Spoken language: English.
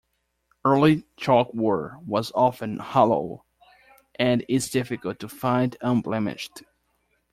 Early chalkware was often hollow and is difficult to find unblemished.